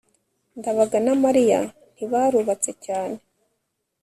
ndabaga na mariya ntibarubatse cyane